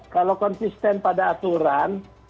kalau konsisten pada aturan